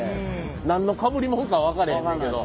何のかぶりもんか分からへんねんけど。